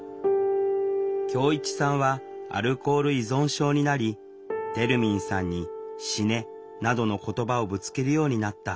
恭一さんはアルコール依存症になりてるみんさんに「死ね」などの言葉をぶつけるようになった。